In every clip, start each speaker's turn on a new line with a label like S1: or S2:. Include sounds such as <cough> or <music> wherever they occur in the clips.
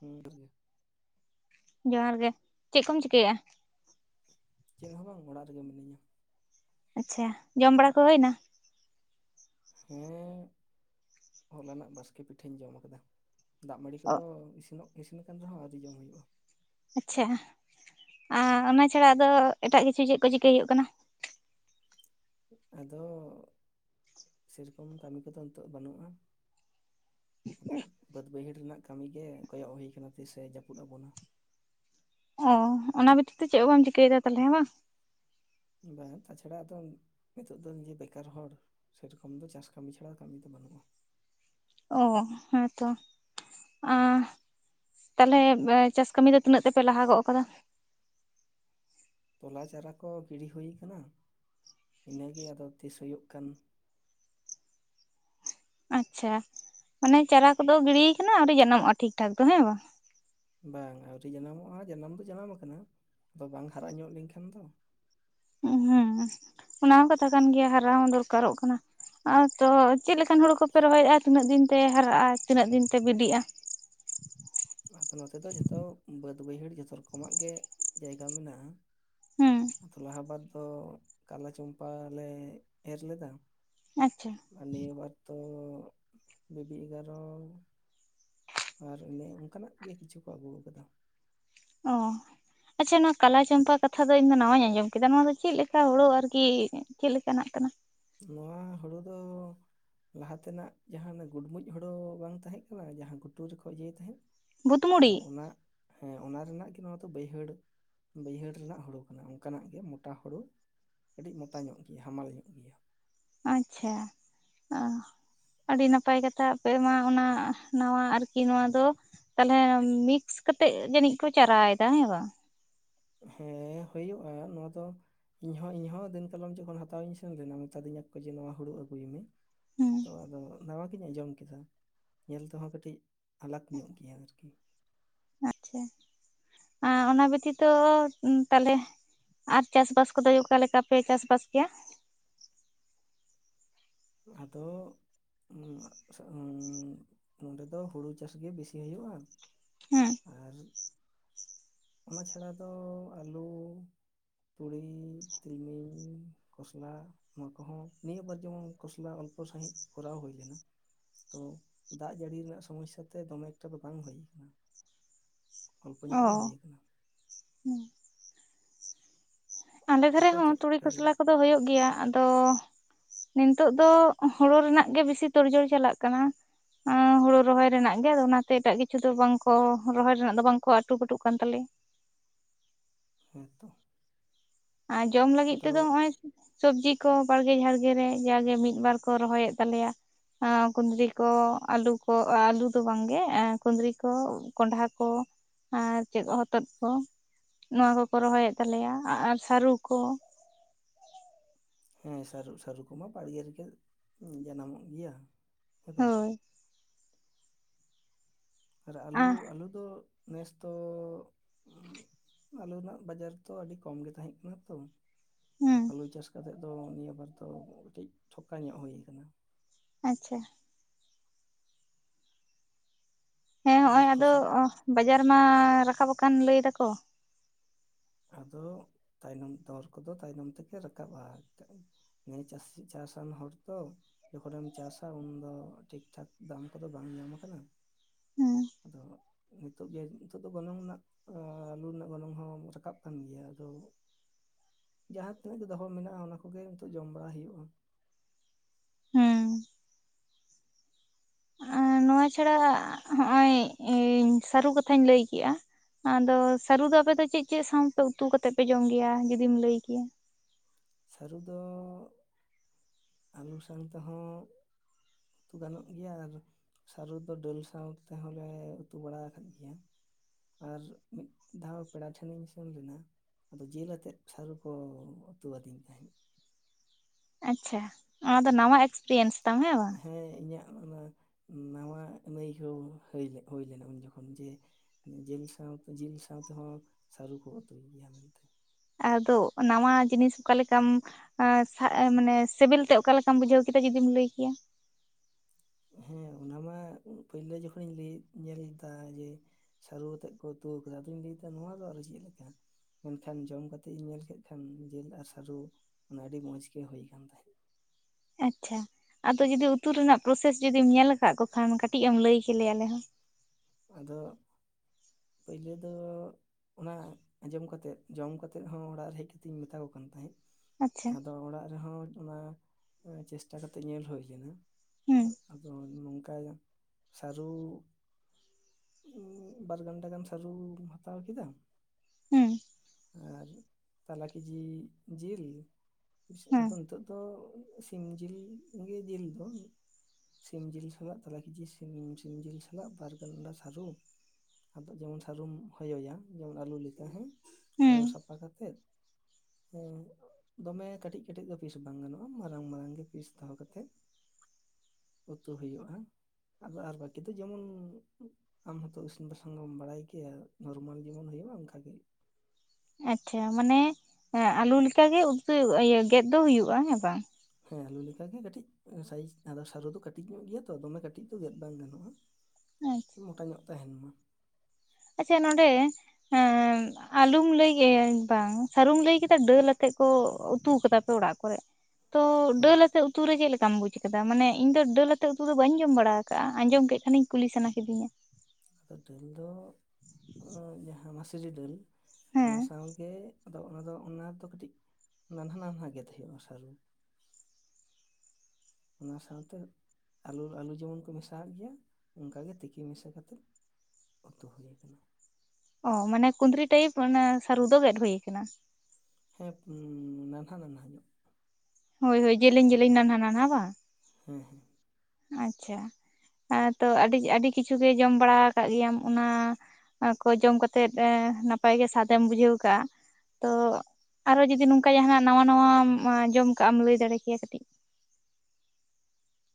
S1: ᱦᱩᱸ <unintelligible> ᱜᱮᱭᱟ
S2: ᱡᱚᱦᱟᱨ ᱜᱮ ᱪᱮᱫ ᱠᱚᱢ ᱪᱤᱠᱟᱭᱮᱜᱼᱟ ᱾
S1: ᱪᱮᱫ ᱦᱚᱸ ᱵᱟᱝ ᱚᱲᱟᱜ ᱨᱮᱜᱮ ᱢᱤᱱᱟᱹᱧᱟ
S2: ᱟᱪᱷᱟ ᱡᱚᱢ ᱵᱟᱲᱟ ᱠᱚ ᱦᱩᱭ ᱮᱱᱟ ᱾
S1: ᱦᱮᱸ ᱦᱚᱞᱟᱱᱟᱜ ᱵᱟᱥᱠᱮ ᱯᱤᱴᱷᱟᱹᱧ ᱡᱚᱢ ᱟᱠᱟᱫᱟ ᱫᱟᱜᱭ ᱢᱟᱹᱲᱤ
S2: ᱚ
S1: ᱠᱚᱫᱚ ᱤᱥᱤᱱᱚᱜ ᱤᱥᱤᱱ ᱟᱠᱟᱱ ᱨᱮᱦᱚᱸ ᱟᱣᱨᱤ ᱡᱚᱢ ᱦᱩᱭᱩᱜᱼᱟ ᱾
S2: ᱟᱪᱷᱟ ᱟᱻ ᱚᱱᱟ ᱪᱷᱟᱲᱟ ᱟᱫᱚ ᱮᱴᱟᱜ ᱠᱤᱪᱷᱩ ᱪᱮᱫ ᱠᱚ ᱪᱤᱠᱟᱹᱭ ᱦᱩᱭᱩᱜ ᱠᱟᱱᱟ ᱾
S1: ᱟᱫᱚ ᱥᱮ ᱨᱚᱠᱚᱢ ᱠᱟᱹᱢᱤ ᱠᱚᱫᱚ ᱱᱤᱛᱚᱜ ᱵᱟᱹᱱᱩᱜᱼᱟ ᱾ <unintelligible> ᱵᱟᱹᱫᱽ ᱵᱟᱹᱭᱦᱟᱹᱲ ᱨᱮᱱᱟᱜ ᱠᱟᱹᱢᱤ ᱜᱮ ᱠᱚᱭᱚᱜ ᱦᱩᱭ ᱠᱟᱱᱟ ᱛᱤᱥᱮ ᱡᱟᱹᱯᱩᱫ ᱟᱵᱚᱱᱟ
S2: ᱚᱸ ᱚᱱᱟ ᱵᱮᱛᱤ ᱛᱮ ᱪᱮᱫ ᱦᱚᱸ ᱵᱟᱢ ᱪᱤᱠᱟᱹᱭᱮᱫᱟ ᱛᱟᱦᱞᱮ ᱦᱮᱸ ᱵᱟᱝ ᱾
S1: ᱵᱟᱝ ᱛᱟᱪᱷᱟᱲᱟ ᱟᱫᱚ ᱱᱤᱛᱚᱜ ᱫᱚ ᱱᱤᱡᱮ ᱵᱮᱠᱟᱨ ᱦᱚᱲ ᱾ ᱥᱮᱨᱚᱠᱚᱢ ᱫᱚ ᱪᱟᱥ ᱠᱟᱹᱢᱤ ᱪᱷᱟᱲᱟ ᱠᱟᱹᱢᱤ ᱫᱚ ᱵᱟᱹᱱᱩᱜᱼᱟ ᱾
S2: ᱚᱸ ᱦᱮᱸ ᱛᱚ ᱟᱻ ᱛᱟᱦᱞᱮ ᱮᱸ ᱪᱟᱥ ᱠᱟᱹᱢᱤ ᱫᱚ ᱛᱤᱱᱟᱹᱜ ᱛᱮᱯᱮ ᱞᱟᱦᱟ ᱜᱚᱫ ᱟᱠᱟᱫᱟ ᱾
S1: ᱛᱚᱞᱟ ᱪᱟᱨᱟ ᱠᱚ ᱜᱤᱰᱤ ᱦᱩᱭ ᱠᱟᱱᱟ ᱤᱱᱟᱹᱜᱮ ᱟᱫᱚ ᱛᱤᱥ ᱦᱩᱭᱩᱜ ᱠᱷᱟᱱ
S2: ᱟᱪᱪᱷᱟ ᱢᱟᱱᱮ ᱪᱟᱨᱟ ᱠᱚᱫᱚ ᱜᱤᱲᱤ ᱭᱟᱠᱟᱱᱟ ᱟᱣᱨᱤ ᱡᱟᱱᱟᱢᱚᱜᱼᱟ ᱴᱷᱤᱠ ᱴᱷᱟᱠ ᱫᱚ ᱦᱮᱸ ᱵᱟᱝ ᱾
S1: ᱵᱟᱝ ᱟᱹᱣᱨᱤ ᱡᱟᱱᱟᱢᱚᱜᱼᱟ ᱡᱟᱱᱟᱢ ᱫᱚ ᱡᱟᱱᱟᱢ ᱟᱠᱟᱱᱟ ᱟᱫᱚ ᱵᱟᱝ ᱦᱟᱨᱟ ᱧᱚᱜ ᱞᱮᱱᱠᱷᱟᱱ ᱫᱚ
S2: ᱩᱸᱼᱦᱩᱸ ᱚᱱᱟ ᱦᱚᱸ ᱠᱟᱛᱷᱟ ᱠᱟᱱ ᱜᱮᱭᱟ ᱦᱟᱨᱟ ᱦᱚᱸ ᱫᱚᱨᱠᱟᱨᱚᱜ ᱠᱟᱱᱟ ᱟᱸ ᱛᱚ ᱪᱮᱫ ᱞᱮᱠᱟᱱ ᱦᱩᱲᱩ ᱠᱚᱯᱮ ᱨᱚᱦᱚᱭᱮᱜᱼᱟ ᱛᱤᱱᱟᱹᱜ ᱫᱤᱱ ᱛᱮ ᱦᱟᱨᱟᱜᱼᱟ ᱛᱤᱱᱟᱹᱜ ᱫᱤᱱ ᱛᱮ ᱵᱤᱰᱤᱜᱼᱟ ᱾
S1: ᱟᱫᱚ ᱱᱚᱛᱮ ᱫᱚ ᱡᱷᱚᱛᱚ ᱵᱟᱹᱫ ᱵᱟᱹᱭᱦᱟᱹᱲ ᱡᱷᱚᱛᱚ ᱨᱚᱠᱚᱢᱟᱜ ᱜᱮ ᱡᱟᱭᱜᱟ ᱢᱮᱱᱟᱜᱼᱟ᱾
S2: ᱦᱩᱸ
S1: ᱛᱚ ᱞᱟᱦᱟ ᱵᱟᱫ ᱫᱚ ᱠᱟᱞᱟ ᱪᱚᱢᱯᱟ ᱞᱮ ᱮᱨ ᱞᱮᱫᱟ᱾
S2: ᱟᱪᱪᱷᱟ᱾
S1: ᱟ ᱱᱤᱭᱟᱹ ᱵᱟᱨ ᱛᱚ ᱵᱚᱵᱤ ᱮᱜᱟᱨᱚ᱾ ᱟᱨ ᱚᱱᱮ ᱚᱱᱠᱟᱱᱟᱜ ᱜᱮ ᱠᱤᱪᱷᱩ ᱠᱚ ᱟᱹᱜᱩᱣ ᱟᱠᱟᱫᱟ᱾
S2: ᱚᱸ ᱟᱪᱪᱷᱟ ᱱᱚᱣᱟ ᱠᱟᱞᱟ ᱪᱟᱢᱯᱟ ᱠᱟᱛᱷᱟ ᱫᱚ ᱤᱧ ᱫᱚ ᱱᱟᱣᱟᱧ ᱟᱸᱡᱚᱢ ᱠᱮᱫᱟ ᱱᱚᱣᱟ ᱫᱚ ᱪᱤᱜ ᱞᱮᱠᱟ ᱦᱳᱲᱳ ᱟᱨᱠᱤ ᱪᱮ ᱞᱮᱠᱟ ᱱᱟᱜ ᱠᱟᱱᱟ?
S1: ᱱᱚᱣᱟ ᱦᱳᱲᱳ ᱫᱚ ᱞᱟᱦᱟ ᱛᱮᱱᱟᱜ ᱡᱟᱦᱟᱸ ᱚᱱᱟ ᱜᱩᱲᱢᱩᱡᱽ ᱦᱳᱲᱳ ᱵᱟᱝ ᱛᱟᱦᱮᱸᱜ ᱠᱟᱱᱟ ᱡᱟᱦᱟᱸ ᱜᱷᱩᱴᱩ ᱨᱮᱠᱚ ᱤᱭᱟᱹᱭ ᱛᱟᱦᱮᱸᱫ᱾ ᱟᱫᱚ
S2: ᱵᱷᱩᱛᱢᱩᱲᱤ
S1: ᱩᱱᱟᱹᱜ ᱦᱮᱸ, ᱚᱱᱟ ᱨᱮᱱᱟᱜ ᱜᱮ ᱱᱚᱣᱟ ᱫᱚ ᱵᱟᱹᱭᱦᱟᱹᱲ ᱵᱟᱹᱭᱦᱟᱹᱲ ᱨᱮᱱᱟᱜ ᱦᱳᱲᱳ ᱠᱟᱱᱟ, ᱚᱱᱠᱟᱱᱟᱜ ᱜᱮ ᱢᱳᱴᱟ ᱦᱳᱲᱳ ᱠᱟᱹᱴᱤᱡ ᱢᱚᱴᱟ ᱧᱚᱜ ᱜᱮᱭᱟ ᱦᱟᱢᱟᱞ ᱧᱚᱜ ᱜᱮᱭᱼᱟ᱾
S2: ᱟᱪᱪᱷᱟ, ᱚᱸ᱾ ᱟᱹᱰᱤ ᱱᱟᱯᱟᱭ ᱠᱟᱛᱷᱟ ᱟᱯᱮ ᱢᱟ ᱚᱱᱟ ᱱᱟᱣᱟ ᱟᱨᱠᱤ ᱱᱚᱣᱟ ᱫᱚ ᱛᱟᱦᱞᱮ ᱢᱤᱠᱥ ᱠᱟᱛᱮᱜ ᱡᱟᱹᱱᱤᱡ ᱠᱚ ᱪᱟᱨᱟᱭ ᱫᱟ ᱦᱮᱸ ᱵᱟᱝ?
S1: ᱦᱮᱸ, ᱦᱩᱭᱩᱜᱼᱟ ᱱᱚᱣᱟ ᱫᱚ ᱤᱧᱦᱚᱸ ᱤᱧᱦᱚᱸ ᱫᱤᱱ ᱠᱟᱞᱚᱢ ᱡᱚᱠᱷᱚᱱ ᱦᱟᱛᱟᱣ ᱤᱧ ᱥᱮᱱ ᱞᱮᱱᱟ ᱢᱮᱛᱟ ᱫᱤᱧᱟᱹ ᱠᱚ ᱡᱮ ᱱᱚᱣᱟ ᱦᱩᱲᱩ ᱟᱹᱜᱩᱭ ᱢᱮ᱾
S2: ᱦᱩᱸ
S1: ᱛᱚ ᱟᱫᱚ ᱱᱟᱣᱟ ᱜᱤᱧ ᱟᱸᱡᱚᱢ ᱠᱮᱫᱟ ᱧᱮᱞ ᱛᱮᱦᱚᱸ ᱠᱟᱹᱴᱤᱡ ᱟᱞᱟᱠ ᱧᱚᱜ ᱜᱮᱭᱟ ᱟᱨᱠᱤ᱾
S2: ᱟᱪᱪᱷᱟ, ᱟᱸ ᱚᱱᱟ ᱵᱤᱛᱤ ᱛᱚ ᱩᱸ ᱛᱟᱦᱞᱮ ᱟᱨ ᱪᱟᱥᱼᱵᱟᱥ ᱠᱚᱫᱚ ᱚᱠᱟ ᱞᱮᱠᱟ ᱯᱮ ᱪᱟᱥ ᱵᱟᱥ ᱜᱮᱭᱟ?
S1: ᱟᱫᱚ ᱳᱸ ᱟᱪᱪᱷᱟ ᱳᱸ ᱟᱪᱪᱷᱟ ᱱᱚᱰᱮ ᱫᱚ ᱦᱩᱲᱩ ᱪᱟᱥ ᱜᱤ ᱵᱤᱥᱤ ᱦᱩᱭᱩᱜᱼᱟ᱾
S2: ᱦᱮᱸ᱾
S1: ᱟᱨ ᱚᱱᱟ ᱪᱷᱟᱲᱟ ᱫᱚ ᱟᱹᱞᱩ ᱛᱩᱲᱤ, ᱛᱤᱞᱢᱤᱧ, ᱠᱷᱚᱥᱞᱟ ᱱᱚᱣᱟ ᱠᱚᱦᱚᱸ ᱱᱤᱭᱟᱹ ᱵᱟᱨ ᱡᱮᱢᱚᱱ ᱠᱚᱥᱞᱟ ᱚᱞᱯᱳ ᱥᱟᱺᱦᱤ ᱠᱳᱨᱟᱣ ᱦᱩᱭ ᱞᱮᱱᱟ ᱛᱚ ᱫᱟᱜ ᱡᱟᱹᱲᱤ ᱨᱮᱱᱟᱜ ᱥᱚᱢᱚᱥᱟ ᱛᱮ ᱫᱚᱢᱮ ᱮᱠᱴᱟ ᱫᱚ ᱵᱟᱝ ᱦᱩᱭ ᱠᱟᱱᱟ᱾ ᱚᱞᱯᱚ ᱧᱚᱜ ᱜᱮ ᱦᱩᱭ ᱠᱟᱱᱟ᱾
S2: ᱦᱩᱸ᱾ ᱟᱞᱮ ᱫᱷᱟᱸᱨᱮ
S1: ᱟᱯᱮ
S2: ᱦᱚᱸ
S1: ᱪᱮᱫ
S2: ᱛᱩᱲᱤ,
S1: ᱠᱚᱯᱮ
S2: ᱠᱷᱚᱥᱞᱟ ᱠᱚᱫᱚ ᱦᱩᱭᱩᱜ ᱜᱮᱭᱟ, ᱟᱫᱚ ᱱᱤᱱᱛᱳᱜ ᱫᱚ ᱦᱳᱲᱳ ᱨᱮᱱᱟᱜ ᱜᱮ ᱵᱮᱥᱤ ᱛᱳᱲᱼᱡᱳᱲ ᱪᱟᱞᱟᱜ ᱠᱟᱱᱟ᱾ ᱟᱸ ᱦᱩᱲᱩ ᱨᱚᱦᱚᱭ ᱨᱮᱱᱟᱜ ᱜᱮ ᱟᱫᱚ ᱚᱱᱟᱛᱮ ᱮᱴᱟᱜ ᱠᱤᱪᱷᱩ ᱫᱚ ᱵᱟᱝ ᱠᱚ ᱨᱚᱦᱚᱭ ᱨᱮᱱᱟᱜ ᱫᱚ ᱵᱟᱝ ᱠᱚ ᱟᱴᱩ ᱯᱟᱹᱴᱩᱜ ᱠᱟᱱ ᱛᱟᱞᱮᱭᱟ᱾
S1: ᱦᱮᱸ ᱛᱚ᱾
S2: ᱟ ᱡᱚᱢ ᱞᱟᱹᱜᱤᱫ ᱛᱮ ᱫᱚ ᱦᱚᱜᱼᱚᱭ ᱥᱚᱵᱡᱤ ᱠᱚ ᱵᱟᱲᱜᱮᱼᱡᱷᱟᱲᱜᱮ ᱨᱮ ᱡᱟᱜᱮ ᱢᱤᱫ ᱵᱟᱨ ᱠᱚ ᱨᱚᱦᱚᱭᱮᱫ ᱛᱟᱞᱮᱭᱟ᱾ ᱟᱸ ᱠᱩᱸᱫᱽᱨᱤ ᱠᱚ ᱟᱞᱩ ᱠᱚ ᱟ-ᱟᱞᱩ ᱫᱚ ᱵᱟᱝ ᱜᱮ ᱮᱸ ᱠᱩᱸᱫᱽᱨᱤ ᱠᱚ ᱠᱚᱸᱰᱷᱟ ᱠᱚ᱾ ᱟᱨ ᱪᱮᱫ ᱦᱚᱛᱚᱫ ᱠᱚ ᱱᱚᱣᱟ ᱠᱚᱠᱚ ᱨᱚᱦᱚᱭᱮᱫ ᱛᱟᱞᱮᱭᱟ ᱟ-ᱟᱨ ᱥᱟᱹᱨᱩ ᱠᱚ᱾
S1: ᱦᱮᱸ, ᱥᱟᱹᱨᱩᱼᱥᱟᱹᱨᱩ ᱠᱩᱢᱟ ᱵᱟᱲᱜᱮ ᱨᱮᱜᱮ ᱡᱟᱱᱟᱢᱚᱜ ᱜᱮᱭᱟ ᱦᱮᱸ ᱵᱟᱝ?
S2: ᱦᱳᱭ
S1: ᱟᱨ ᱟᱞᱩ,
S2: ᱟᱸ
S1: ᱟᱞᱩ ᱫᱚ ᱱᱮᱥ ᱛᱚᱻ ᱩᱸᱜ ᱟᱞᱩ ᱨᱮᱱᱟᱜ ᱵᱟᱡᱟᱨ ᱛᱚ ᱟᱹᱰᱤ ᱠᱚᱢ ᱜᱮ ᱛᱟᱦᱮᱸᱜ ᱠᱟᱱᱟ ᱛᱚ᱾
S2: ᱦᱩᱸ
S1: ᱟᱹᱞᱩ ᱪᱟᱥ ᱠᱟᱛᱮᱫ ᱫᱚ ᱱᱤᱭᱟᱹ ᱵᱟᱨ ᱫᱚ ᱠᱟᱹᱴᱤᱡ ᱴᱷᱚᱠᱟ ᱧᱚᱜ ᱦᱩᱭᱩ ᱟᱠᱟᱱᱟ᱾
S2: ᱟᱪᱪᱷᱟ᱾ ᱦᱮᱸ ᱦᱚᱦᱚᱭ
S1: ᱟᱨ
S2: ᱟᱫᱚ
S1: ᱠᱷᱚᱥᱞᱟ
S2: ᱟᱸ ᱵᱟᱡᱟᱨ ᱢᱟᱻ ᱨᱟᱠᱟᱵ ᱟᱠᱟᱱ ᱞᱟᱹᱭ ᱫᱟᱠᱚ᱾
S1: ᱟᱫᱚ ᱛᱟᱭᱱᱚᱢ ᱫᱚᱨ ᱠᱚᱫᱚ ᱛᱟᱭᱱᱚᱢ ᱛᱮᱜᱮ ᱨᱟᱠᱟᱵᱼᱟ᱾ ᱱᱮ ᱪᱟᱹᱥᱤ ᱪᱟᱥᱼᱟᱱ ᱦᱚᱲ ᱛᱚ᱾ ᱡᱚᱠᱷᱚᱱᱮᱢ ᱪᱟᱥᱟ ᱩᱱᱫᱚ ᱴᱷᱤᱠᱼᱴᱷᱟᱠ ᱫᱟᱢ ᱠᱚᱫᱚ ᱵᱟᱝ ᱧᱟᱢ ᱟᱠᱟᱱᱟ᱾
S2: ᱦᱩᱸ
S1: ᱟᱫᱚ ᱱᱤᱛᱳᱜ ᱜᱮ ᱱᱤᱛᱳᱜ ᱫᱚ ᱜᱚᱱᱚᱝ ᱨᱮᱱᱟᱜ ᱮᱸ ᱟᱹᱞᱩ ᱨᱮᱱᱟᱜ ᱜᱚᱱᱚᱝ ᱦᱚᱸ ᱨᱟᱠᱟᱵ ᱠᱟᱱ ᱜᱮᱭᱟ ᱟᱫᱚ, ᱡᱟᱦᱟᱸ ᱛᱤᱱᱟᱹᱜ ᱜᱮ ᱫᱚᱦᱚ ᱢᱮᱱᱟᱜᱼᱟ ᱚᱱᱟ ᱠᱚᱜᱮ ᱱᱤᱛᱚᱜ ᱡᱚᱢ ᱵᱟᱲᱟ ᱦᱩᱭᱩᱜᱼᱟ᱾
S2: ᱦᱩᱸ᱾ ᱱᱚᱶᱟ ᱪᱷᱟᱲᱟ ᱦᱚᱸᱜ-ᱚᱭ ᱮᱧ ᱥᱟᱨᱩ ᱠᱟᱛᱷᱟᱧ ᱞᱟᱹᱭ ᱠᱮᱜ-ᱟ᱾ ᱟᱫᱚ ᱥᱟᱹᱨᱩ ᱫᱚ ᱟᱯᱮ ᱫᱚ ᱪᱮᱜ ᱪᱮᱜ ᱥᱟᱶᱛᱮ ᱩᱛᱩ ᱠᱟ ᱠᱟᱛᱮᱜ ᱯᱮ ᱡᱚᱢ ᱜᱮᱭᱟ ᱡᱩᱫᱤᱢ ᱞᱟᱹᱭ ᱠᱮᱭᱟ?
S1: ᱥᱟᱹᱨᱩ ᱫᱚᱜ ᱟᱞᱩ ᱥᱟᱝ ᱛᱮᱦᱚᱸᱼᱼ ᱩᱛᱩ ᱜᱟᱱᱚᱜ ᱜᱮᱭᱟ ᱟᱨᱼᱼ ᱥᱟᱨᱩ ᱫᱚ ᱰᱟᱹᱞ ᱥᱟᱶ ᱛᱮᱦᱚᱸ ᱞᱮ ᱩᱛᱩ ᱵᱟᱲᱟ ᱟᱠᱟᱫ ᱜᱮᱭᱟ᱾ ᱟᱨ ᱢᱤᱫ ᱫᱷᱟᱣ ᱯᱮᱲᱟ ᱴᱷᱮᱱᱤᱧ ᱥᱮᱱ ᱞᱤᱱᱟ᱾ ᱟᱫᱚ ᱡᱤᱞ ᱟᱛᱮᱫ ᱥᱟᱨᱩ ᱠᱚ ᱩᱛᱩ ᱣᱟᱫᱤᱧ ᱛᱟᱦᱮᱸᱫ᱾
S2: ᱟᱪᱪᱷᱟ ᱚᱱᱟ ᱫᱚ ᱱᱟᱶᱟ ᱮᱠᱥᱯᱮᱨᱤᱭᱮᱱᱥ ᱛᱟᱢ ᱦᱮᱸ ᱵᱟᱝ᱾
S1: ᱦᱮᱸ ᱤᱧᱟᱜ ᱚᱱᱟ ᱱᱟᱶᱟ ᱱᱟᱹᱭᱦᱟᱹᱣ ᱦᱟᱹᱭ ᱞᱮᱜ ᱦᱩᱭ ᱞᱮᱱᱟ ᱩᱱ ᱡᱚᱠᱷᱚᱱ ᱡᱮᱼᱼ ᱡᱤᱞ ᱥᱟᱶᱛᱮ ᱡᱤᱞ ᱥᱟᱶ ᱛᱮᱦᱚᱸ ᱥᱟᱨᱩ ᱠᱚ ᱩᱛᱩᱭ ᱜᱮᱭᱟ ᱢᱮᱱᱛᱮ᱾
S2: ᱟᱫᱚ ᱱᱟᱣᱟ ᱡᱤᱱᱤᱥ ᱚᱠᱟ ᱞᱮᱠᱟᱢᱼᱼ ᱟᱸ ᱥᱟᱜ ᱢᱟᱱᱮ ᱥᱮᱵᱤᱞ ᱛᱮ ᱚᱠᱟ ᱞᱮᱠᱟᱢ ᱵᱩᱡᱷᱟᱹᱣ ᱠᱮᱫᱟ ᱡᱩᱫᱤᱢ ᱞᱟᱹᱭ ᱠᱮᱭ? ᱟ
S1: ᱦᱮᱸ ᱚᱱᱟ ᱢᱟ ᱯᱳᱭᱞᱳ ᱡᱚᱠᱷᱚᱱ ᱱᱤᱧ ᱞᱟᱹᱭ ᱧᱮᱞ ᱫᱟ ᱡᱮᱼᱼ ᱥᱟᱹᱨᱩ ᱣᱟᱛᱮᱫ ᱠᱚ ᱩᱛᱩᱣ ᱟᱠᱟᱫᱟ ᱟᱫᱚᱧ ᱞᱟᱹᱭ ᱫᱟ ᱱᱚᱣᱟ ᱫᱚ ᱟᱨᱚ ᱪᱮᱜ ᱞᱮᱠᱟ? ᱢᱮᱱ ᱠᱷᱟᱱ ᱡᱚᱢ ᱠᱟᱛᱮᱜ ᱤᱧ ᱧᱮᱞ ᱠᱮᱫ ᱠᱷᱟᱱ ᱡᱤᱞ ᱟᱨ ᱥᱟᱨᱩ ᱟᱹᱰᱤ ᱢᱚᱸᱡᱽ ᱜᱮ ᱦᱚᱭ ᱠᱟᱱ ᱛᱟᱦᱮᱸᱫ᱾
S2: ᱟᱪᱪᱷᱟ ᱟᱫᱚ ᱡᱩᱫᱤ ᱩᱛᱩ ᱨᱮᱱᱟᱜ ᱯᱨᱚᱥᱮᱥ ᱡᱩᱫᱤᱢ ᱧᱮᱞ ᱟᱠᱟᱜ ᱠᱚ ᱠᱷᱟᱱ ᱠᱟᱹᱴᱤᱡ ᱮᱢ ᱞᱟᱹᱭ ᱠᱮᱞᱮᱭᱟ ᱟᱞᱮ ᱦᱚᱸ?
S1: ᱟᱫᱚ ᱯᱟᱹᱭᱞᱟᱹ ᱫᱚᱼᱼ ᱚᱱᱟ ᱟᱸᱡᱚᱢ ᱠᱟᱛᱮᱫ ᱡᱚᱢ ᱠᱟᱛᱮᱫ ᱦᱚᱸ ᱚᱲᱟᱜ ᱨᱮ ᱦᱮᱡ ᱠᱟᱛᱮᱜ ᱤᱧ ᱢᱮᱛᱟ ᱠᱚ ᱠᱟᱱ ᱛᱟᱦᱮᱸᱫ᱾
S2: ᱟᱪᱪᱷᱟ
S1: ᱟᱫᱚ ᱚᱲᱟᱜ ᱨᱮᱦᱚᱸ ᱚᱱᱟ ᱪᱮᱥᱴᱟ ᱠᱟᱛᱮᱜ ᱧᱮᱞ ᱦᱩᱭ ᱮᱱᱟ᱾
S2: ᱦᱩᱸ
S1: ᱟᱨ ᱟᱫᱚ ᱱᱚᱝᱠᱟ ᱜᱮ ᱥᱟᱨᱩᱼᱼ ᱩᱸ ᱵᱟᱨ ᱜᱟᱱᱰᱟ ᱜᱟᱱ ᱥᱟᱨᱩᱢ ᱦᱟᱛᱟᱣ ᱠᱮᱫᱟᱼᱼ
S2: ᱦᱩᱸ
S1: ᱟᱨ ᱛᱟᱞᱟ ᱠᱤᱡᱤ ᱡᱤᱞ᱾ <unintelligible>
S2: ᱦᱩᱸ
S1: ᱟᱫᱚ ᱱᱤᱛᱚᱜ ᱫᱚ ᱩᱸ ᱥᱤᱢ ᱡᱤᱞ᱾ ᱜᱮ ᱡᱤᱞ ᱫᱚ ᱥᱤᱢ ᱡᱤᱞ ᱥᱟᱞᱟᱜ ᱛᱟᱞᱟ ᱠᱮᱡᱤ ᱥᱤᱢ ᱥᱤᱢ ᱡᱤᱞ ᱥᱟᱞᱟᱜ ᱵᱟᱨᱼᱼ ᱜᱟᱱᱰᱟ ᱥᱟᱨᱩ᱾ ᱟᱫᱚ ᱡᱮᱢᱚᱱ ᱥᱟᱨᱩᱢ ᱦᱚᱭᱚᱭᱟ ᱡᱮᱢᱚᱱ ᱟᱞᱩ ᱞᱮᱠᱟ ᱦᱮᱸ
S2: ᱦᱩᱸ
S1: ᱦᱚᱭᱚ ᱥᱟᱯᱷᱟ ᱠᱟᱛᱮᱫᱼᱼ ᱦᱮᱸ ᱚᱜᱼᱼ ᱫᱚᱢᱮ ᱠᱟᱴᱤᱡᱼᱠᱟᱴᱤᱡ ᱫᱚ ᱯᱤᱥ ᱵᱟᱝ ᱜᱟᱱᱚᱜ-ᱟ ᱢᱟᱨᱟᱝᱼᱢᱟᱨᱟᱝ ᱜᱮ ᱯᱤᱥ ᱫᱚᱦᱚ ᱠᱟᱛᱮᱫ᱾ ᱩᱛᱩ ᱦᱩᱭᱩᱜ-ᱟ ᱟᱫᱚ ᱟᱨ ᱵᱟᱠᱤ ᱫᱚ ᱡᱮᱢᱚᱱᱼᱼ ᱟᱢ ᱦᱚᱸᱛᱚ ᱤᱥᱤᱱ ᱵᱟᱥᱟᱝ ᱫᱚᱢ ᱵᱟᱲᱟᱭ ᱜᱮᱭᱟ ᱱᱚᱨᱢᱟᱞ ᱡᱮᱢᱚᱱ ᱦᱩᱭᱩᱜ-ᱟ ᱚᱱᱠᱟ ᱜᱮ᱾
S2: ᱟᱪᱪᱷᱟ ᱢᱟᱱᱮ ᱮᱸ ᱟᱞᱩ ᱞᱮᱠᱟ ᱜᱮ ᱩᱛᱩᱭ ᱤᱭᱟᱹ ᱜᱮᱫ ᱫᱚ ᱦᱩᱭᱩᱜ-ᱟ ᱦᱮᱸ ᱵᱟᱝ᱾
S1: ᱦᱮᱸ ᱟᱞᱩ ᱞᱮᱠᱟ ᱜᱮ ᱠᱟᱹᱴᱤᱡᱼᱼ ᱥᱟᱭᱤᱡᱽ ᱟᱫᱚ ᱥᱟᱨᱩ ᱫᱚ ᱠᱟᱴᱤᱡ ᱧᱚᱜ ᱜᱮᱭᱟ ᱛᱚ ᱫᱚᱢᱮ ᱠᱟᱴᱤᱡ ᱫᱚ ᱜᱮᱫ ᱵᱟᱝ ᱜᱟᱱᱚᱜ-ᱟ᱾ ᱢᱚᱴᱟ ᱧᱚᱜ ᱛᱟᱦᱮᱸᱱ ᱢᱟ᱾
S2: ᱟᱪᱪᱷᱟ ᱱᱚᱸᱰᱮᱼᱼ
S1: <inaudible>
S2: ᱟᱞᱩᱢ ᱞᱟᱹᱭ ᱜᱮ ᱵᱟᱝ ᱥᱟᱨᱩᱢ ᱞᱟᱹᱭ ᱠᱮᱫᱟ ᱰᱟᱹᱞ ᱟᱛᱮᱜ ᱠᱚ ᱩᱛᱩ ᱠᱟᱫᱟ ᱟᱯᱮ ᱚᱲᱟᱜ ᱠᱚᱨᱮ? ᱛᱚ
S1: ᱦᱮᱸ
S2: ᱰᱟᱹᱞ ᱟᱛᱮᱜ ᱩᱛᱼᱼ ᱩᱛᱩ ᱨᱮ ᱪᱮᱫ ᱞᱮᱠᱟᱢ ᱵᱩᱽ ᱠᱟᱫᱟ ᱢᱟᱱᱮ ᱤᱧ ᱫᱚ ᱰᱟᱹᱞ ᱟᱛᱮᱜ ᱩᱛᱩ ᱫᱚ ᱵᱟᱹᱧ ᱡᱚᱢ ᱵᱟᱲᱟ ᱟᱠᱟᱜ-ᱟ ᱟᱸᱡᱚᱢ ᱠᱮᱜ ᱠᱷᱟᱱᱤᱧ ᱠᱩᱞᱤ ᱥᱟᱱᱟ ᱠᱤᱫᱤᱧᱟ᱾
S1: ᱟᱫᱚ ᱰᱟᱹᱞ ᱫᱚ ᱡᱟᱦᱟᱸ ᱢᱟᱥᱨᱤ ᱰᱟᱹᱞ
S2: ᱦᱮᱸ
S1: ᱚᱱᱟ ᱥᱟᱶᱜᱮ ᱟᱫᱚ ᱚᱱᱟ ᱫᱚ ᱚᱱᱟ ᱫᱚ ᱠᱟᱹᱴᱤᱡ ᱱᱟᱱᱦᱟ ᱱᱟᱱᱦᱟ ᱜᱮ ᱛᱟᱦᱮ ᱦᱩᱭᱩᱜᱼᱟ ᱥᱟᱹᱨᱩ ᱚᱱᱟ ᱥᱟᱶᱛᱮ ᱟᱹᱞᱩ ᱟᱹᱞᱩ ᱡᱮᱢᱚᱱ ᱠᱚ ᱢᱮᱥᱟᱣᱟᱜ ᱜᱮᱭᱟ ᱚᱱᱠᱟᱜᱮ ᱛᱤᱠᱤ ᱢᱮᱥᱟ ᱠᱟᱛᱮᱜ ᱩᱛᱩ ᱦᱩᱭ ᱟᱠᱟᱱᱟ᱾
S2: ᱚ ᱢᱟᱱᱮ ᱠᱩᱸᱫᱽᱨᱤ ᱴᱟᱹᱭᱤᱯ ᱚᱱᱟ ᱥᱟᱨᱩ ᱫᱚ ᱜᱮᱫ ᱦᱩᱭ ᱠᱟᱱᱟ᱾
S1: ᱦᱮᱸᱯ ᱱᱟᱱᱦᱟ ᱱᱟᱱᱦᱟ ᱧᱚᱜ᱾
S2: ᱦᱚᱭ ᱦᱚᱭ ᱡᱤᱞᱤᱧ ᱡᱤᱞᱤᱧ ᱱᱟᱱᱦᱟ ᱱᱟᱱᱦᱟ ᱵᱟ᱾
S1: ᱦᱩᱸ ᱦᱩᱸ᱾
S2: ᱟᱪᱪᱷᱟ ᱟᱨ ᱛᱚ ᱟᱰᱤ ᱟᱰᱤᱡ ᱠᱤᱪᱷᱩ ᱜᱮ ᱡᱚᱢ ᱵᱟᱲᱟ ᱟᱠᱟᱜ ᱜᱮᱭᱟᱢ ᱚᱱᱟᱼᱼ ᱚᱱᱟ ᱠᱚ ᱡᱚᱢ ᱠᱟᱛᱮᱜ ᱮᱸ ᱱᱟᱯᱟᱭ ᱜᱮ ᱥᱟᱛᱮᱢ ᱵᱩᱡᱷᱟᱹᱣ ᱠᱟᱜ-ᱟ᱾ ᱛᱚ ᱟᱨᱚ ᱡᱩᱫᱤ ᱱᱚᱝᱠᱟ ᱡᱟᱦᱟᱸ ᱱᱟᱜ ᱱᱟᱣᱟ ᱱᱟᱣᱟᱢ ᱚᱸ ᱡᱚᱢ ᱠᱟᱜ-ᱟᱢ ᱞᱟᱹᱭ ᱫᱟᱲᱮ ᱠᱮᱭᱟ ᱠᱟᱹᱴᱤᱡ?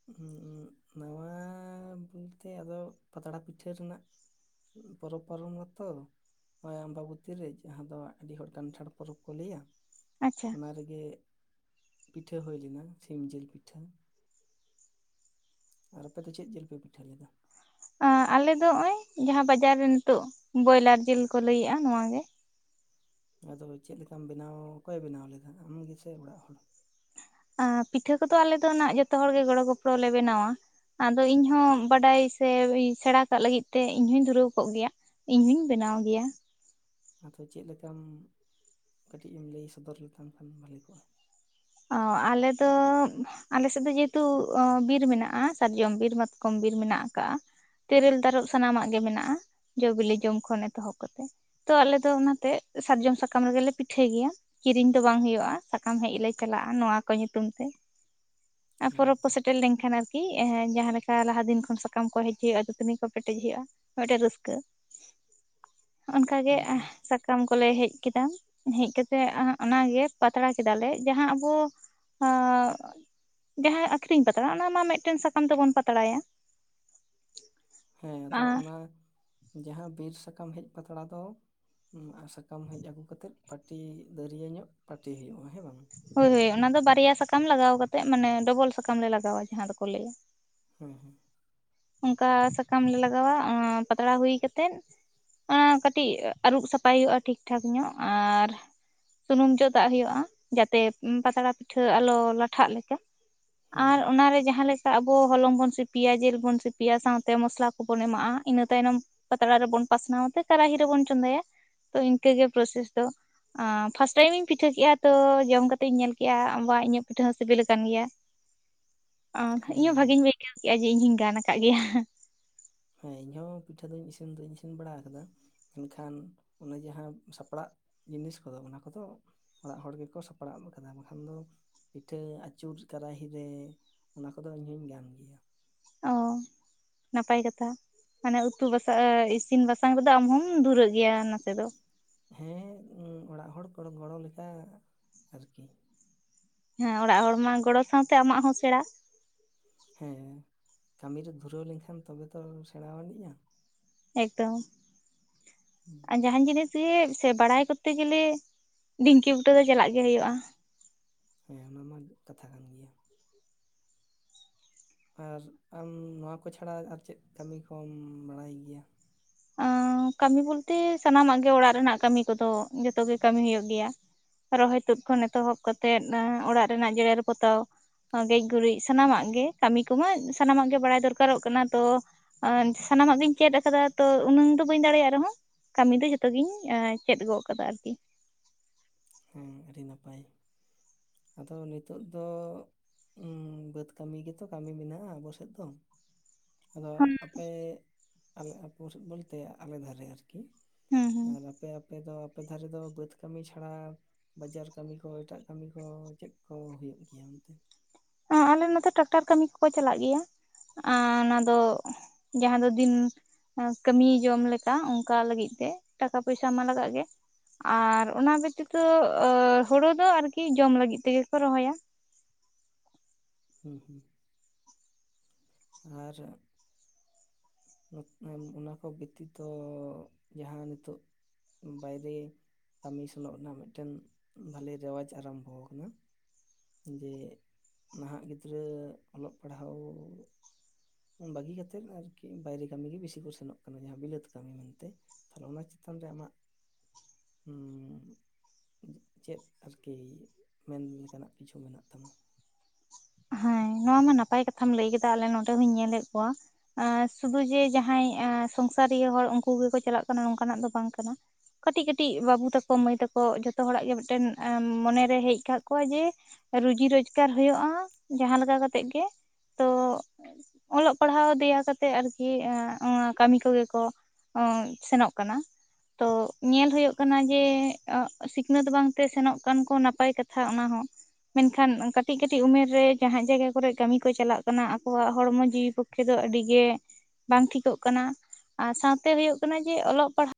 S1: ᱦᱩᱸ ᱩᱸ ᱱᱚᱶᱟ ᱵᱩᱞᱛᱮᱭᱟᱫᱚ ᱯᱟᱛᱲᱟ ᱯᱤᱴᱷᱟᱹ ᱨᱮᱱᱟᱜᱼᱼ ᱯᱚᱨᱚᱵᱽ ᱯᱟᱨᱚᱢ ᱱᱟ ᱛᱚ᱾ ᱦᱳᱭ ᱟᱢᱵᱟᱵᱚᱛᱤ ᱨᱮ ᱡᱟᱦᱟᱸ ᱫᱚ ᱟᱹᱰᱤ ᱦᱚᱲ ᱠᱟᱱᱴᱷᱟᱲ ᱯᱚᱨᱚᱵᱽ ᱠᱚ ᱞᱟᱹᱭᱟ
S2: ᱟᱪᱪᱷᱟ
S1: ᱚᱱᱟ ᱨᱮᱜᱮ ᱯᱤᱴᱷᱟᱹ ᱦᱩᱭ ᱞᱮᱱᱟ ᱥᱤᱢ ᱡᱤᱞ ᱯᱤᱴᱷᱟᱹ ᱟᱨ ᱟᱯᱮ ᱫᱚ ᱪᱮᱫ ᱡᱤᱞ ᱯᱮ ᱯᱤᱴᱷᱟᱹ ᱞᱮᱫᱟ
S2: ᱟᱞᱮ ᱫᱚ ᱚᱸᱭ ᱡᱟᱦᱟᱸ ᱵᱟᱡᱟᱨ ᱨᱮ ᱱᱤᱛᱚᱜ ᱵᱚᱭᱞᱟᱨ ᱡᱤᱞ ᱠᱚ ᱞᱟᱹᱭᱮᱜᱼᱟ ᱱᱚᱣᱟ ᱜᱮ
S1: ᱟᱫᱚ ᱪᱮᱫ ᱞᱮᱠᱟᱢ ᱵᱮᱱᱟᱣ ᱚᱠᱚᱭ ᱵᱮᱱᱟᱣ ᱞᱮᱫᱟ ᱟᱢ ᱜᱮᱥᱮ ᱚᱲᱟᱜ ᱦᱚᱲ
S2: ᱟᱨ ᱯᱤᱴᱷᱟᱹ ᱠᱚᱫᱚ ᱟᱞᱮ ᱫᱚ ᱱᱟᱜ ᱡᱚᱛᱚ ᱦᱚᱲ ᱜᱮ ᱜᱚᱲᱚ ᱜᱚᱯᱚᱲᱚ ᱞᱮ ᱵᱮᱱᱟᱣᱟ᱾ ᱟᱫᱚ ᱤᱧ ᱦᱚᱸ ᱵᱟᱰᱟᱭ ᱥᱮ ᱥᱮᱬᱟ ᱠᱟᱜ ᱞᱟᱹᱜᱤᱫ ᱛᱮ ᱤᱧᱦᱚᱧ ᱫᱷᱩᱨᱟᱹᱣ ᱠᱚᱜ ᱜᱮᱭᱟ ᱤᱧ ᱦᱚᱧ ᱵᱮᱱᱟᱣ ᱜᱮᱭᱟ
S1: ᱟᱫᱚ ᱪᱮᱫ ᱞᱮᱠᱟᱢ ᱠᱟᱹᱴᱤᱡ ᱮᱢ ᱞᱟᱹᱭ ᱥᱚᱫᱚᱨ ᱞᱮᱠᱷᱟᱱ ᱵᱷᱟᱜᱤ ᱦᱩᱭ ᱠᱚᱜᱼᱟ
S2: ᱚ ᱟᱞᱮ ᱫᱚ.... ᱟᱞᱮ ᱥᱮᱫ ᱫᱚ ᱡᱮᱦᱮᱛᱩ ᱵᱤᱨ ᱢᱮᱱᱟᱜᱼᱟ ᱥᱟᱨᱡᱚᱢ ᱵᱤᱨ ᱢᱟᱛᱠᱚᱢ ᱵᱤᱨ ᱢᱮᱱᱟᱜ ᱟᱠᱟᱜ-ᱟ ᱛᱮᱨᱮᱞ ᱛᱟᱨᱚᱵ ᱥᱟᱱᱟᱢᱟᱜ ᱜᱮ ᱢᱮᱱᱟᱜᱼᱟ ᱡᱚᱼ ᱵᱤᱞᱤ ᱡᱚᱢ ᱠᱷᱚᱱ ᱮᱛᱚᱦᱚᱵ ᱠᱟᱛᱮ ᱛᱚ ᱟᱞᱮ ᱫᱚ ᱚᱱᱟᱛᱮ ᱥᱟᱨᱡᱚᱢ ᱥᱟᱠᱟᱢ ᱨᱮᱜᱮ ᱞᱮ ᱯᱤᱴᱷᱟᱹᱭ ᱜᱮᱭᱟ ᱠᱤᱨᱤᱧ ᱫᱚ ᱵᱟᱝ ᱦᱩᱭᱩᱜᱼᱟ ᱥᱟᱠᱟᱢ ᱦᱮᱡ ᱞᱮ ᱪᱟᱞᱟᱜᱼᱟ ᱱᱚᱣᱟ ᱠᱚ ᱧᱩᱛᱩᱢ ᱛᱮ ᱟᱨ ᱯᱚᱨᱚᱵᱽ ᱠᱚ
S1: ᱦᱮᱸᱛᱚ
S2: ᱥᱮᱴᱮᱨ ᱞᱮᱱᱠᱷᱟᱱ ᱟᱨᱠᱤ ᱠᱤ ᱮᱸ ᱡᱟᱦᱟᱸᱮ ᱞᱮᱠᱟ ᱞᱟᱦᱟ ᱫᱤᱱ ᱠᱷᱚᱱ ᱥᱟᱠᱟᱢ ᱠᱚ ᱦᱮᱡ ᱦᱩᱭᱩᱜᱼᱟ ᱫᱩᱛᱱᱤ ᱠᱚ ᱯᱮᱴᱮᱡ ᱦᱩᱭᱩᱜᱼᱟ ᱢᱤᱫᱴᱮᱱ ᱨᱟᱹᱥᱠᱟᱹ
S1: <inaudible>
S2: ᱚᱱᱠᱟ ᱜᱮ
S1: ᱦᱮᱸ
S2: ᱮ..
S1: ᱦᱮᱸ
S2: ᱥᱟᱠ.. ᱠᱟᱢ ᱠᱚᱞᱮ ᱦᱮᱡ ᱠᱮᱫᱟ ᱦᱮᱡ ᱠᱟᱛᱮᱜ ᱚᱱᱟᱜᱮ ᱯᱟᱛᱲᱟ ᱠᱮᱫᱟᱞᱮ ᱡᱟᱦᱟᱸ ᱟᱵᱚ ᱟ..... ᱡᱟᱦᱟᱸ ᱟᱠᱷᱨᱤᱧ ᱯᱟᱛᱲᱟ ᱚᱱᱟ ᱢᱟ ᱢᱤᱫᱴᱮᱱ ᱥᱟᱠᱟᱢ ᱛᱮᱵᱚᱱ ᱯᱟᱛᱲᱟᱭᱟ
S1: ᱦᱮᱸ ᱟᱫᱚ ᱚᱱᱟ ᱡᱟᱦᱟᱸ ᱵᱤᱨ ᱥᱟᱠᱟᱢ ᱦᱮᱡ ᱯᱟᱛᱲᱟ ᱫᱚ ᱥᱟᱠᱟᱢ ᱦᱮᱡ ᱟᱹᱜᱩ ᱠᱟᱛᱮᱫ ᱯᱟᱹᱴᱤ ᱫᱟᱹᱨᱭᱟᱹ ᱧᱚᱜ ᱯᱟᱹᱴᱤ ᱦᱩᱭᱩᱜᱼᱟ ᱦᱮᱸ ᱵᱟᱝ
S2: ᱦᱳᱭ ᱦᱳᱭ ᱚᱱᱟ ᱫᱚ ᱵᱟᱨᱭᱟ ᱥᱟᱠᱟᱢ ᱞᱟᱜᱟᱣ ᱠᱟᱛᱮᱫ ᱢᱟᱱᱮ ᱰᱚᱵᱚᱞ ᱥᱟᱠᱟᱢ ᱞᱮ ᱞᱟᱜᱟᱣᱟ ᱡᱟᱦᱟᱸ ᱫᱚᱠᱚ ᱞᱟᱹᱭᱟ᱾
S1: ᱦᱮᱸ ᱦᱮᱸ
S2: ᱚᱝᱠᱟ ᱥᱟᱠᱟᱢ ᱞᱮ ᱞᱟᱜᱟᱣᱟ ᱟᱸ... ᱯᱟᱛᱲᱟ ᱦᱩᱭ ᱠᱟᱛᱮᱫ ᱚᱱᱟ ᱠᱟᱹᱴᱤᱡ ᱟᱹᱨᱩᱵ ᱥᱟᱯᱷᱟᱭ ᱦᱩᱭᱩᱜᱼᱟ ᱴᱷᱤᱠᱴᱷᱟᱠ ᱧᱚᱜ ᱟᱨ ᱥᱩᱱᱩᱢ ᱡᱚᱫᱟᱜ ᱦᱩᱭᱩᱜᱼᱟ ᱡᱟᱛᱮ ᱯᱟᱛᱲᱟ ᱯᱤᱴᱷᱟᱹ ᱟᱞᱚ ᱞᱟᱴᱷᱟᱜ ᱞᱮᱠᱟ
S1: ᱦᱮᱸ
S2: ᱟᱨ ᱚᱱᱟᱨᱮ ᱡᱟᱦᱟᱸ ᱞᱮᱠᱟ ᱟᱵᱚ ᱦᱚᱞᱚᱝ ᱵᱚᱱ ᱥᱤᱯᱤᱭᱟ ᱡᱮᱞ ᱵᱩᱱ <unintelligible> ᱥᱤᱯᱤᱭᱟ ᱥᱟᱶᱛᱮ ᱢᱚᱥᱞᱟ ᱠᱚᱵᱚᱱ ᱮᱢᱟᱜᱼᱟ ᱤᱱᱟᱹ ᱛᱟᱭᱱᱚᱢ ᱯᱟᱛᱲᱟ ᱨᱮᱵᱚᱱ ᱯᱟᱥᱱᱟᱣ ᱛᱮ ᱠᱟᱨᱟᱦᱤ ᱨᱮᱵᱚᱱ ᱪᱚᱸᱫᱟᱭᱟ ᱛᱚ ᱤᱱᱠᱟᱹᱜᱮ ᱯᱨᱚᱥᱮᱥ ᱫᱚ ᱯᱷᱟᱥᱴ ᱴᱟᱭᱤᱢ ᱤᱧ ᱯᱤᱴᱷᱟᱹ ᱠᱮᱜᱼᱟ ᱛᱚ ᱡᱚᱢ ᱠᱟᱛᱮᱧ ᱧᱮᱞ ᱠᱮᱜᱼᱟ ᱵᱟ ᱤᱧᱟᱹᱜ ᱯᱤᱴᱷᱟᱹ ᱦᱚᱸ ᱥᱤᱵᱤᱞ ᱠᱟᱱ ᱜᱮᱭᱟ
S1: <inaudible>
S2: ᱟ.. ᱤᱧ ᱦᱚᱸ
S1: ᱦᱮᱸ
S2: ᱵᱷᱟᱹᱜᱤᱧ ᱟᱹᱭᱠᱟᱹᱣ ᱠᱮᱜ-ᱟ ᱡᱮ ᱤᱧ ᱦᱚᱧ ᱜᱟᱱ ᱟᱠᱟᱜ ᱜᱮᱭᱟ
S1: ᱦᱮᱸ ᱤᱧᱦᱚᱸ ᱯᱤᱴᱷᱟᱹ ᱫᱚᱧ ᱤᱥᱤᱱ ᱫᱩᱧ ᱤᱥᱤᱱ ᱵᱟᱲᱟ ᱟᱠᱟᱫᱟ ᱢᱮᱱᱠᱷᱟᱱ ᱚᱱᱟ ᱡᱟᱦᱟᱸ ᱥᱟᱯᱲᱟᱜ ᱡᱤᱱᱤᱥ ᱠᱚᱫᱚ ᱚᱱᱟ ᱠᱚᱫᱚ ᱚᱲᱟᱜ ᱦᱚᱲ ᱜᱮᱠᱚ ᱥᱟᱯᱲᱟᱣ ᱟᱠᱟᱫᱟ ᱵᱟᱠᱷᱟᱱ ᱫᱚ ᱯᱤᱴᱷᱟᱹ ᱟᱹᱪᱩᱨ ᱠᱟᱨᱟᱦᱤᱨᱮ ᱚᱱᱟ ᱠᱚᱫᱚ ᱤᱧ ᱦᱚᱧ ᱜᱟᱱ ᱜᱮᱭᱟ
S2: ᱚ
S1: <inaudible>
S2: ᱱᱟᱯᱟᱭ ᱠᱟᱛᱷᱟ ᱦᱟᱱᱮ ᱩᱛᱩ ᱵᱟᱥᱟᱝ ᱤᱥᱤᱱ ᱵᱟᱥᱟᱝ ᱨᱮᱫᱚ ᱟᱢ ᱦᱚᱢ ᱫᱷᱩᱨᱟᱹᱜ ᱜᱮᱭᱟ ᱱᱟᱥᱮ ᱫᱚ᱾
S1: ᱦᱮᱸ ᱚᱲᱟᱜ ᱦᱚᱲ ᱠᱚ ᱜᱚᱲᱚ ᱞᱮᱠᱟ ᱟᱨᱠᱤ
S2: ᱦᱮᱸ ᱚᱲᱟᱜ ᱦᱚᱲ ᱢᱟ ᱜᱚᱲᱚ ᱥᱟᱶᱛᱮ ᱟᱢᱟᱜ ᱦᱚᱸ ᱥᱮᱬᱟ
S1: ᱦᱮᱸ ᱠᱟᱹᱢᱤ ᱨᱮ ᱫᱷᱩᱨᱟᱹᱣ ᱞᱮᱱᱠᱷᱟᱱ ᱛᱚᱵᱮ ᱛᱚ ᱥᱮᱬᱟᱣ ᱟᱹᱱᱤᱡᱼᱟ
S2: ᱮᱠᱫᱚᱢ ᱟᱡ ᱡᱟᱦᱟᱱ ᱡᱤᱱᱤᱥ ᱜᱮ ᱥᱮ ᱵᱟᱲᱟᱭ ᱠᱚᱨᱛᱮ ᱜᱮᱞᱮ ᱰᱷᱤᱝᱠᱤ ᱵᱩᱴᱟᱹ ᱫᱚ ᱪᱟᱞᱟᱜ ᱜᱮ ᱦᱩᱭᱩᱜᱼᱟ
S1: ᱦᱮᱸ ᱚᱱᱟ ᱢᱟ ᱠᱟᱛᱷᱟ ᱠᱟᱱ ᱜᱮᱭᱟ᱾ ᱟᱨ ᱟᱢ ᱱᱚᱣᱟ ᱠᱚ ᱪᱷᱟᱲᱟ ᱟᱨ ᱪᱮᱫ ᱠᱟᱹᱢᱤ ᱠᱚᱢ ᱵᱟᱲᱟᱭ ᱜᱮᱭᱟ᱾
S2: ᱟᱶ ᱠᱟᱹᱢᱤ ᱵᱚᱞᱛᱮ ᱥᱟᱱᱟᱢᱟᱜ ᱜᱮ ᱚᱲᱟᱜ ᱨᱮᱱᱟᱜ ᱠᱟᱹᱢᱤ ᱠᱚᱫᱚ ᱡᱚᱛᱚ ᱜᱮ ᱠᱟᱹᱢᱤ ᱦᱩᱭᱩᱜ ᱜᱮᱭᱟ ᱨᱚᱦᱚᱭ ᱛᱩᱫ ᱠᱷᱚᱱ ᱮᱛᱚᱦᱚᱵ ᱠᱟᱛᱮᱫ ᱚᱲᱟᱜ ᱨᱮᱱᱟᱜ ᱡᱮᱨᱮᱲ ᱯᱚᱛᱟᱣ ᱜᱮᱡᱽ ᱜᱩᱨᱤᱡᱽ ᱥᱟᱱᱟᱢᱟᱜ ᱜᱮ ᱠᱟᱹᱢᱤ ᱠᱚᱢᱟ ᱥᱟᱱᱟᱢᱟᱜ ᱜᱮ ᱵᱟᱲᱟᱭ ᱫᱚᱨᱠᱟᱨᱚᱜ ᱠᱟᱱᱟ ᱛᱚ᱾ ᱟᱨ ᱥᱟᱱᱟᱢᱟᱜ ᱜᱤᱧ ᱪᱮᱫ ᱟᱠᱟᱫᱟ᱾ ᱛᱚ ᱩᱱᱟᱹᱝ ᱫᱚ ᱵᱟᱹᱧ ᱫᱟᱲᱮᱭᱟᱜ ᱨᱮᱦᱚᱸ ᱠᱟᱹᱢᱤ ᱫᱚ ᱡᱷᱚᱛᱚᱜᱤᱧ ᱪᱮᱫ ᱜᱚᱜ ᱟᱠᱟᱫᱟ ᱟᱨᱠᱤ᱾
S1: ᱦᱮᱸ ᱟᱹᱰᱤ ᱱᱟᱯᱟᱭ ᱟᱫᱚ ᱱᱤᱛᱚᱜ ᱫᱚ ᱵᱟᱹᱫᱽ ᱠᱟᱹᱢᱤ ᱜᱮᱛᱚ ᱠᱟᱹᱢᱤ ᱢᱮᱱᱟᱜᱼᱟ ᱟᱵᱚ ᱥᱮᱱ ᱫᱚ᱾ ᱟᱫᱚ
S2: ᱦᱩᱸ
S1: ᱟᱯᱮ ᱟᱞᱮ ᱟᱹᱛᱩ ᱵᱚᱞᱛᱮ ᱟᱞᱮ ᱫᱷᱟᱨᱮ ᱟᱨᱠᱤ
S2: ᱦᱩᱸ
S1: ᱟᱨ
S2: ᱦᱩᱸ
S1: ᱟᱯᱮ ᱟᱯᱮ ᱫᱚ ᱟᱯᱮ ᱫᱷᱟᱨᱮ ᱫᱚ ᱵᱟᱹᱫᱽ ᱠᱟᱹᱢᱤ ᱪᱷᱟᱲᱟ ᱵᱟᱡᱟᱨ ᱠᱟᱹᱢᱤ ᱠᱚ ᱮᱴᱟᱜ ᱠᱟᱹᱢᱤ ᱠᱚ ᱪᱮᱫ ᱠᱚ ᱦᱩᱭᱩᱜ ᱜᱮᱭᱟ ᱚᱱᱛᱮ?
S2: ᱟᱞᱮ ᱱᱚᱛᱮ ᱴᱨᱟᱠᱴᱟᱨ ᱠᱟᱹᱢᱤ ᱠᱚᱠᱚ ᱪᱟᱞᱟᱜ ᱜᱮᱭᱟ᱾ ᱟᱨ ᱚᱱᱟᱫᱚ ᱡᱟᱦᱟᱸ ᱫᱚ ᱫᱤᱱ ᱠᱟᱹᱢᱤᱭ ᱡᱚᱢ ᱞᱮᱠᱟ ᱚᱱᱠᱟ ᱞᱟᱹᱜᱤᱫ ᱛᱮ ᱴᱟᱠᱟ ᱯᱚᱭᱥᱟ ᱢᱟ ᱞᱟᱜᱟᱜ ᱜᱮ ᱟᱨ ᱚᱱᱟ ᱵᱮᱛᱤᱛᱚ ᱦᱩᱲᱩ ᱫᱚ ᱟᱨᱠᱤ ᱡᱚᱢ ᱞᱟᱹᱜᱤᱫ ᱛᱮᱜᱮᱠᱚ ᱨᱚᱦᱚᱭᱟ᱾
S1: ᱦᱩᱸ ᱦᱩᱸ ᱟᱨ ᱚᱱᱟ ᱠᱚ ᱵᱮᱛᱤᱛᱚ ᱡᱟᱦᱟᱸ ᱱᱤᱛᱚᱜ ᱵᱟᱭᱨᱮ ᱠᱟᱹᱢᱤ ᱥᱮᱱᱚᱜ ᱨᱮᱱᱟᱜ ᱢᱤᱫᱴᱮᱱ ᱵᱷᱟᱞᱮ ᱨᱮᱣᱟᱡᱽ ᱟᱨᱟᱢᱵᱷᱚ ᱟᱠᱟᱱᱟ᱾ ᱡᱮ ᱱᱟᱦᱟᱜ ᱜᱤᱫᱽᱨᱟᱹ ᱚᱞᱚᱜ ᱯᱟᱲᱦᱟᱣ ᱵᱟᱹᱜᱤ ᱠᱟᱛᱮᱫ ᱟᱨᱠᱤ ᱵᱟᱭᱨᱮ ᱠᱟᱹᱢᱤᱜᱮ ᱵᱮᱥᱤ ᱠᱚ ᱥᱮᱱᱚᱜ ᱠᱟᱱᱟ ᱡᱟᱦᱟᱸ ᱵᱤᱞᱟᱹᱛ ᱠᱟᱹᱢᱤ ᱢᱮᱱᱛᱮ᱾ ᱛᱟᱦᱚᱞᱮ ᱚᱱᱟ ᱪᱮᱛᱟᱱ ᱨᱮ ᱟᱢᱟᱜ ᱦᱮᱸ ᱪᱮᱫᱽ ᱟᱨᱠᱤ ᱢᱮᱱ ᱞᱮᱠᱟᱱᱟᱜ ᱠᱤᱪᱷᱩ ᱢᱮᱱᱟᱜ ᱛᱟᱢᱟ?
S2: ᱦᱮᱸ ᱱᱚᱣᱟ ᱢᱟ ᱱᱟᱯᱟᱭ ᱠᱟᱛᱷᱟᱢ ᱞᱟᱹᱭ ᱠᱮᱫᱟ᱾ ᱟᱞᱮ ᱱᱚᱸᱰᱮ ᱦᱚᱧ ᱧᱮᱞᱮᱫ ᱠᱚᱣᱟ ᱥᱩᱫᱷᱩ ᱡᱮ ᱡᱟᱦᱟᱸᱭ ᱥᱚᱝᱥᱟᱨᱤᱭᱟᱹ ᱦᱚᱲ ᱩᱱᱠᱩ ᱜᱮᱠᱚ ᱪᱟᱞᱟᱜ ᱠᱟᱱᱟ ᱱᱚᱝᱠᱟᱱᱟᱜ ᱫᱚ ᱵᱟᱝ ᱠᱟᱱᱟ᱾ ᱠᱟᱹᱴᱤᱡ ᱠᱟᱹᱴᱤᱡ ᱵᱟᱹᱵᱩ ᱛᱟᱠᱚ ᱢᱟᱹᱭ ᱛᱟᱠᱚ ᱡᱷᱚᱛᱚ ᱦᱚᱲᱟᱜ ᱜᱮ ᱢᱤᱫᱴᱮᱱ ᱢᱚᱱᱮᱨᱮ ᱦᱮᱡ ᱟᱠᱟᱫ ᱠᱚᱣᱟ ᱡᱮ ᱨᱩᱡᱤ ᱨᱳᱡᱜᱟᱨ ᱦᱩᱭᱩᱜᱼᱟ ᱡᱟᱸᱦᱟ ᱞᱮᱠᱟ ᱠᱟᱛᱮᱜ ᱜᱮ ᱛᱚ ᱚᱞᱚᱜ ᱯᱟᱲᱦᱟᱣ ᱫᱮᱭᱟ ᱠᱟᱛᱮᱜ ᱟᱨᱠᱤ ᱚᱱᱟ ᱠᱟᱹᱢᱤ ᱠᱚᱜᱮ ᱠᱚ ᱚᱸ ᱥᱮᱱᱚᱜ ᱠᱟᱱᱟ᱾ ᱛᱚ ᱧᱮᱞ ᱦᱳᱭᱳᱜ ᱠᱟᱱᱟ ᱡᱮ ᱥᱤᱠᱷᱱᱟᱹᱛ ᱵᱟᱝᱛᱮ ᱥᱮᱱᱚᱜ ᱠᱟᱱ ᱠᱚ ᱱᱟᱯᱟᱭ ᱠᱟᱛᱷᱟ ᱚᱱᱟᱦᱚᱸ᱾ ᱢᱮᱱᱠᱷᱟᱱ ᱠᱟᱹᱴᱤᱡᱽ ᱠᱟᱹᱴᱤᱡᱽ ᱩᱢᱮᱨ ᱨᱮ ᱡᱟᱦᱟᱸ ᱡᱟᱭᱜᱟ ᱠᱚᱨᱮ ᱠᱟᱹᱢᱤ ᱠᱚ ᱪᱟᱞᱟᱜ ᱠᱟᱱᱟ ᱟᱠᱚᱣᱟᱜ ᱦᱚᱲᱢᱚ ᱡᱤᱣᱤ ᱯᱚᱠᱠᱷᱮ ᱫᱚ ᱟᱹᱰᱤ ᱜᱮ ᱵᱟᱝ ᱴᱷᱤᱠᱚᱜ ᱠᱟᱱᱟ᱾ ᱟᱨ ᱥᱟᱶᱛᱮ ᱦᱳᱭᱳᱜ ᱠᱟᱱᱟ ᱡᱮ ᱚᱞᱚᱜ ᱯᱟᱲᱦᱟᱣ